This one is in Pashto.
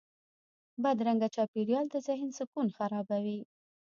بدرنګه چاپېریال د ذهن سکون خرابوي